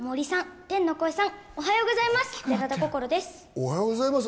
おめでとうございます。